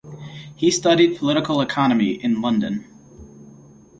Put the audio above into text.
He studied Political Economy in London.